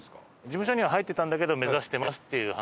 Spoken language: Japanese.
事務所には入ってたんだけど「目指してます」っていう話し方